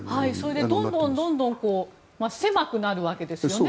それでどんどん狭くなるわけですよね。